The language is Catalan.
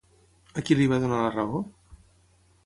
A qui li va donar la raó?